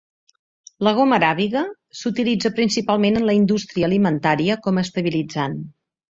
La goma aràbiga s'utilitza principalment en la indústria alimentària com a estabilitzant.